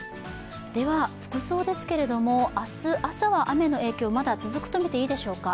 服装ですけれども、明日朝は雨の影響がまだ続くとみていいでしょうか？